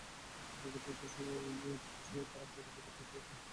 অধিকাংশ সময়ই ছুটির সময়ে তারা বাইরে বেরোতে চায়, খেলতে চায় খোলা মাঠে।